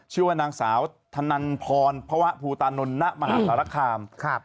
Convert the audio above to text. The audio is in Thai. ชื่อว่านางสาวธนันพรพระวะภูตานนนต์ณมหาวิทยาลัยสารคลาม